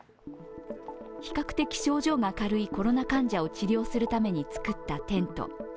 比較的症状が軽いコロナ患者を治療するために作ったテント。